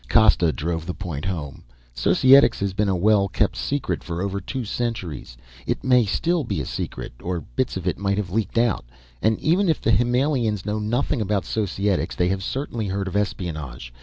Costa drove the point home. "Societics has been a well kept secret for over two centuries. It may still be a secret or bits of it might have leaked out. And even if the Himmelians know nothing about Societics, they have certainly heard of espionage.